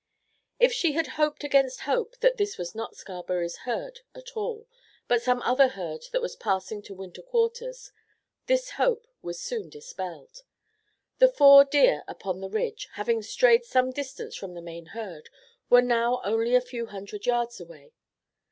If she had hoped against hope that this was not Scarberry's herd at all, but some other herd that was passing to winter quarters, this hope was soon dispelled. The four deer upon the ridge, having strayed some distance from the main herd, were now only a few hundred yards away.